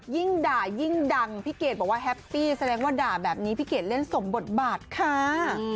ยิ่งด่ายิ่งดังพี่เกดบอกว่าแฮปปี้แสดงว่าด่าแบบนี้พี่เกดเล่นสมบทบาทค่ะ